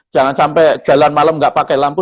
jangan sampai jalan malam nggak pakai lampu